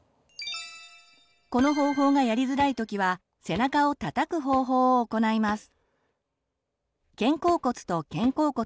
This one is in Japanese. この方法がやりづらいときは背中をたたく方法を行います。